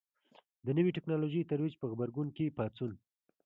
د نوې ټکنالوژۍ ترویج په غبرګون کې پاڅون.